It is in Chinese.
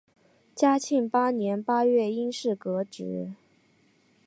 嘉庆八年八月因事革职。